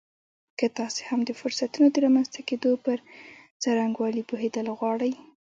که تاسې هم د فرصتونو د رامنځته کېدو پر څرنګوالي پوهېدل غواړئ